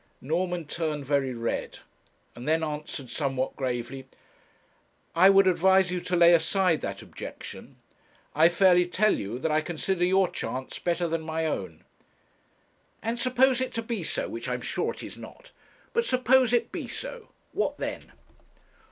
Norman turned very red, and then answered somewhat gravely: 'I would advise you to lay aside that objection. I fairly tell you that I consider your chance better than my own.' 'And suppose it be so, which I am sure it is not but suppose it be so, what then?'